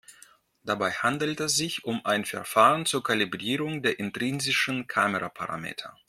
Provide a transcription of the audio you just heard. Dabei handelt es sich um ein Verfahren zur Kalibrierung der intrinsischen Kameraparameter.